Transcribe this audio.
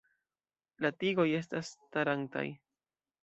La tigoj estas starantaj.